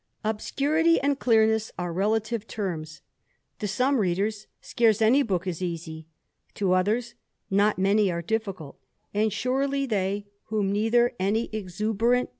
Obscurity and clearness are relative terms : to some readers scarce any book is easy, to others not many are difficult : and surely they, whom neither any exuberant 222 THE ADVENTURER.